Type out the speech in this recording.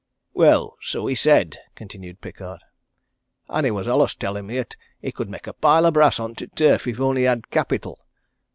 "Well, so he said," continued Pickard, "and he was allus tellin' me 'at he could make a pile o' brass on t' turf if he only had capital.